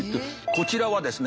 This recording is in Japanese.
こちらはですね